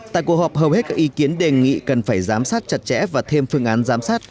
tại cuộc họp hầu hết các ý kiến đề nghị cần phải giám sát chặt chẽ và thêm phương án giám sát